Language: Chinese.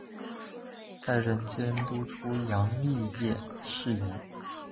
再任监督出洋肄业事宜。